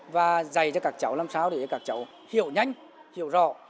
và dạy cho các cháu làm sao để các cháu hiểu nhanh hiểu rõ